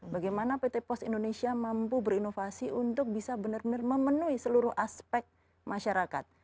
bagaimana pt pos indonesia mampu berinovasi untuk bisa benar benar memenuhi seluruh aspek masyarakat